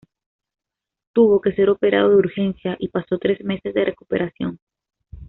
Tuvo que ser operado de urgencia y pasó tres meses de recuperación.